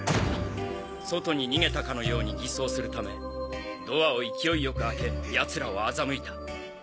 外に逃げたかのように偽装するためドアを勢いよく開け奴らを欺いた。